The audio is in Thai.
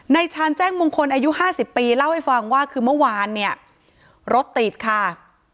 ชาญแจ้งมงคลอายุห้าสิบปีเล่าให้ฟังว่าคือเมื่อวานเนี่ยรถติดค่ะ